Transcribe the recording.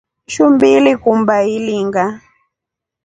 Shumbi ulikumba ilinga ?